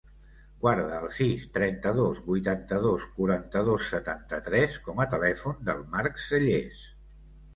Guarda el sis, trenta-dos, vuitanta-dos, quaranta-dos, setanta-tres com a telèfon del Mark Selles.